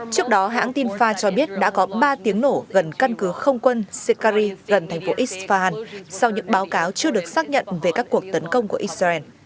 trước đó hãng tin fa cho biết đã có ba tiếng nổ gần căn cứ không quân sikari gần thành phố isfahan sau những báo cáo chưa được xác nhận về các cuộc tấn công của israel